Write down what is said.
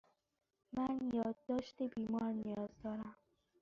من یادداشت بیمار نیاز دارم.